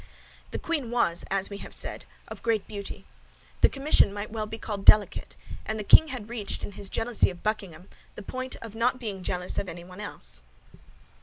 The queen was, as we have said, of great beauty. The commission might well be called delicate; and the king had reached, in his jealousy of Buckingham, the point of not being jealous of anyone else.